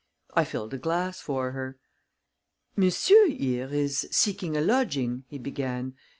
I filled a glass for her. "Monsieur, here, is seeking a lodging," he began.